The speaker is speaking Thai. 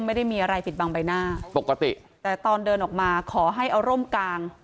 ไม่ได้มีอะไรปิดบังใบหน้าปกติแต่ตอนเดินออกมาขอให้เอาร่มกลาง